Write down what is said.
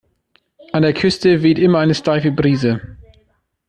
An der Küste weht immer eine steife Brise.